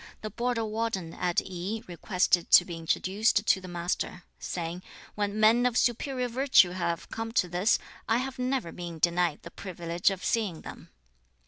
The border warden at Yi requested to be introduced to the Master, saying, 'When men of superior virtue have come to this, I have never been denied the privilege of seeing them.'